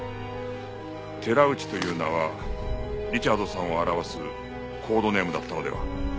寺内という名はリチャードさんを表すコードネームだったのでは？